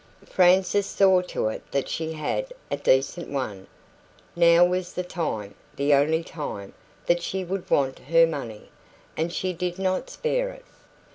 Frances saw to it that she had a decent one. Now was the time, the only time, that she should want her money, and she did not spare it.